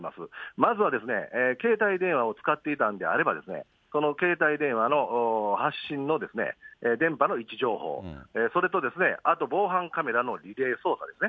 まずは携帯電話を使っていたのであれば、その携帯電話の発信の電波の位置情報、それとあと防犯カメラのリレー捜査ですね。